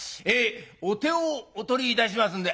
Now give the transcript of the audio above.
お手をお取りいたしますんで」。